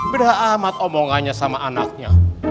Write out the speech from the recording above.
berat amat omongannya sama anaknya